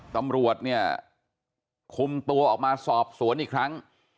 ตำรวจเนี่ยคุมตัวออกมาสอบสวนอีกครั้ง